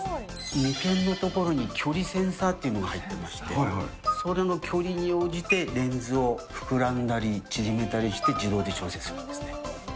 みけんの所に距離センサーっていうのが入ってまして、それの距離に応じて、レンズを膨らんだり縮めたりして自動に調節するんですね。